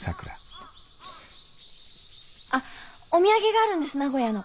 あっお土産があるんです名古屋の。